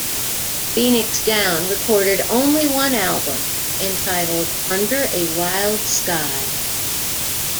Phoenix Down recorded only one album, entitled "Under A Wild Sky".